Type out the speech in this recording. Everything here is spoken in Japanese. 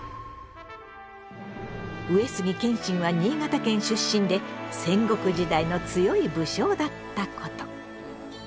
上杉謙信は新潟県出身で戦国時代の強い武将だったこと。